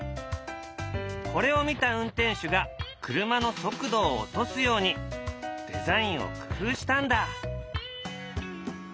これを見た運転手が車の速度を落とすようにデザインを工夫したんだ。